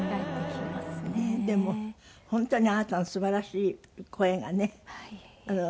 でも本当にあなたのすばらしい声がね。